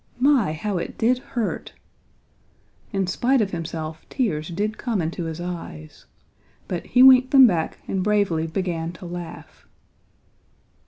My, how it did hurt! In spite of himself tears did come into his eyes. But he winked them back and bravely began to laugh.